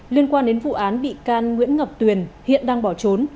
liên quan đến vụ án bị can nguyễn ngọc tuyền hiện đang bỏ trốn